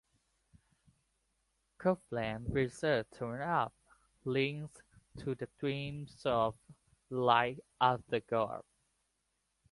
Coupland's research turned up links to the themes of "Life After God".